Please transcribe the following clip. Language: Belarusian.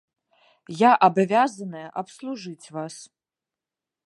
Я абавязаная абслужыць вас.